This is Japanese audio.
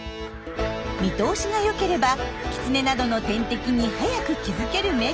見通しがよければキツネなどの天敵に早く気付けるメリットも。